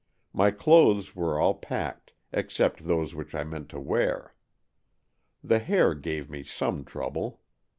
My clothes were all packed, except those which I meant to wear. The hair gave me some trouble.